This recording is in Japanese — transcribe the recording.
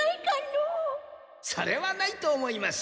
それはないと思います。